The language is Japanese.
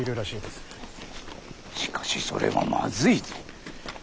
しかしそれはまずいぞ。